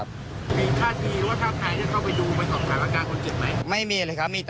ผมก็เลยนั่งคลิป